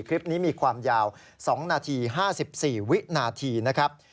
คลิปนี้มีความยาว๒นาที๕๔วินาทีนะครับ